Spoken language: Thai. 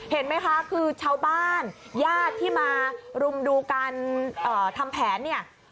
เห็นไหมคะคือชาวบ้านญาติที่มารุมดูการทำแผนเนี่ย